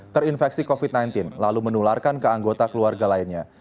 terinfeksi covid sembilan belas lalu menularkan ke anggota keluarga lainnya